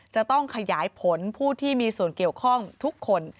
จะต้องขยายผลผู้ที่มีส่วนเกี่ยวข้องทุกคน